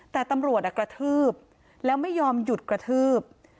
แต่ตำรวจกระทืบแล้วไม่ยอมหยุดกระทืบ